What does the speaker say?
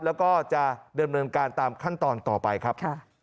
แล้วก็จะเริ่มรวมการตามขั้นตอนต่อไปครับ